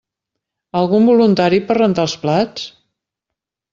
Algun voluntari per rentar els plats?